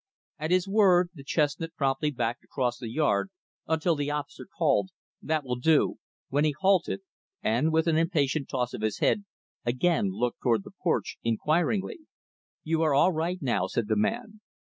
At his word, the chestnut promptly backed across the yard until the officer called, "That will do," when he halted, and, with an impatient toss of his head, again looked toward the porch, inquiringly. "You are all right now," said the man.